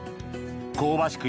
香ばしく